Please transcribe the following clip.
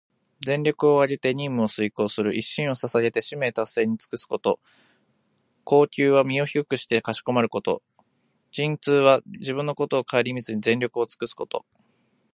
全力をあげて任務を遂行する、一身を捧げて使命達成に尽くすこと。「鞠躬」は身を低くしてかしこまること。「尽瘁」は自分のことをかえりみずに、全力をつくすこと。